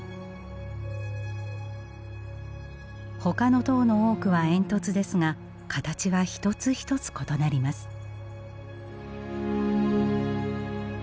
ほかの塔の多くは煙突ですが形は一つ一つ異なります。